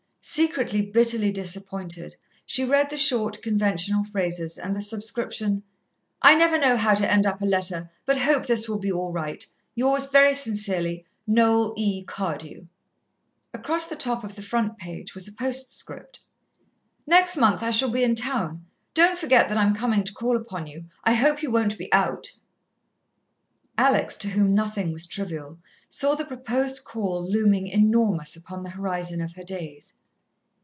Secretly bitterly disappointed, she read the short, conventional phrases and the subscription: "I never know how to end up a letter, but hope this will be all right Yours very sincerely, "NOEL E. CARDEW." Across the top of the front page was a postscript. "Next month I shall be in town. Don't forget that I am coming to call upon you. I hope you won't be 'out'!" Alex, to whom nothing was trivial, saw the proposed call looming enormous upon the horizon of her days.